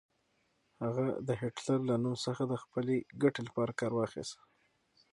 هغه د هېټلر له نوم څخه د خپلې ګټې لپاره کار واخيست.